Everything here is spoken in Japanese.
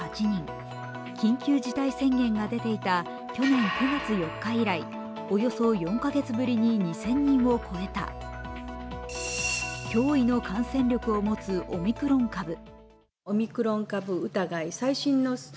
緊急事態宣言が出ていた去年９月４日以来およそ４カ月ぶりに２０００人を超えた驚異の感染力を持つオミクロン株。